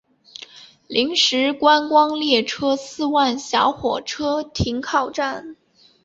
临时观光列车四万小火车停靠站。